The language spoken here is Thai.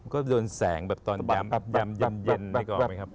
ก็โดนแสงแบบตอนยำเย็นนี่เขาเอาไหมครับ